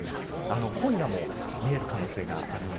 今夜も見える可能性があります。